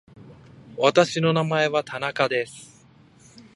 私の名前は田中です。